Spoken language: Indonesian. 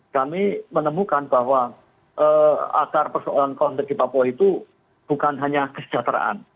kami menemukan bahwa akar persoalan konflik di papua itu bukan hanya kesejahteraan